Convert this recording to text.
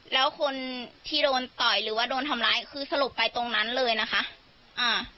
แล้วคนที่โดนต่อยหรือว่าโดนทำร้ายคือสลบไปตรงนั้นเลยนะคะอ่า